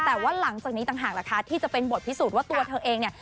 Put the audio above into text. แต่ว่าหลังจากนี้ต่างหากล่ะคะที่จะเป็นบทพิสูจน์ว่าตัวเธอเองเนี่ย